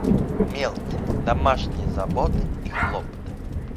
Мелкие домашние заботы и хлопоты.